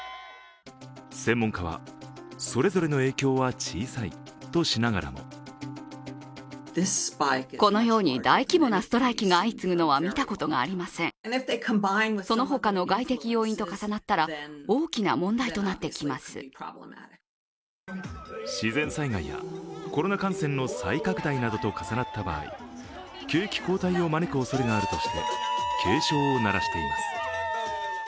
専門家は、それぞれの影響は小さいとしながらも自然災害やコロナ感染の再拡大などと重なった場合景気後退を招くおそれがあるとして警鐘を鳴らしています。